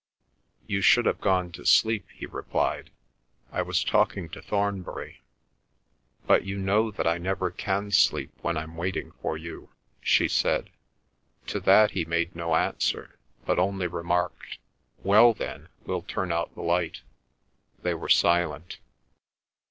"You should have gone to sleep," he replied. "I was talking to Thornbury." "But you know that I never can sleep when I'm waiting for you," she said. To that he made no answer, but only remarked, "Well then, we'll turn out the light." They were silent.